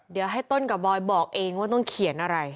เดี๋ยวให้ต้นกับบอยบอกเองว่าต้องเขียนอะไร